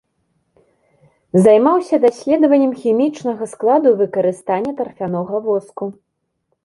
Займаўся даследаваннем хімічнага складу і выкарыстання тарфянога воску.